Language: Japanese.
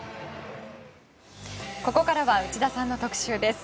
ここからは内田さんの特集です。